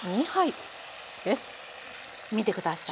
見て下さい。